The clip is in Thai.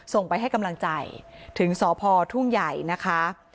ส่งไปให้กำลังใจถึงสพทุ่งใหญ่นะคะ